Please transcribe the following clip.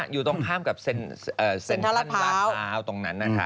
อยู่ตรงข้ามกับเซ็นทรรภาพทางหาวตรงนั้นโอเค